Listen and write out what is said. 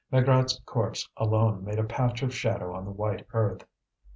Maigrat's corpse alone made a patch of shadow on the white earth.